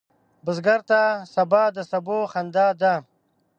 بزګر ته سبا د سبو خندا ده